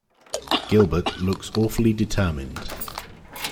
Gilbert looks awfully determined.